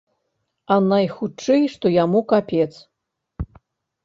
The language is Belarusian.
А найхутчэй што яму капец.